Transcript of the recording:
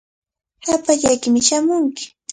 Hapallaykimi shamunki.